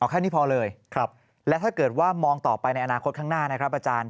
แค่นี้พอเลยและถ้าเกิดว่ามองต่อไปในอนาคตข้างหน้านะครับอาจารย์